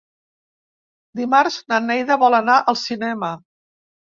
Dimarts na Neida vol anar al cinema.